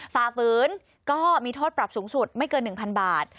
ฝ่าฝืนก็มีโทษปรับสูงสุดไม่เกิน๑๐๐๐บาท